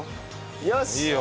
よし！